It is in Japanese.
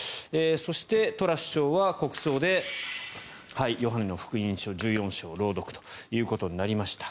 そしてトラス首相は国葬で「ヨハネの福音書」１４章を朗読ということになりました。